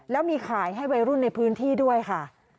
แล้วมีขายให้วัยรุ่นในพื้นที่ด้วยค่ะ